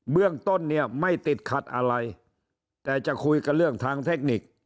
เรื่องต้นเนี่ยไม่ติดขัดอะไรแต่จะคุยกันเรื่องทางเทคนิค